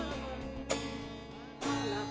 ya ini bangga kucinya